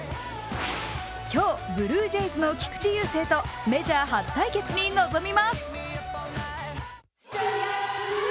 今日、ブルージェイズの菊池雄星とメジャー初対決に臨みます。